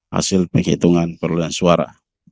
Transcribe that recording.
hasil penghitungan perolehan suara